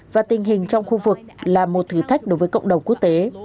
và tình hình trong khu vực là một thử thách đối với cộng đồng quốc tế